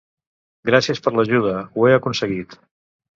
Gràcies per l'ajuda, ho he aconseguit!